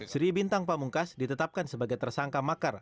sri bintang pamungkas ditetapkan sebagai tersangka makar